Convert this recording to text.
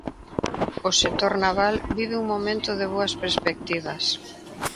O sector naval vive un momento de boas perspectivas.